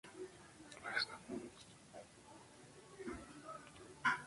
Luis Donaldo Colosio y la Av.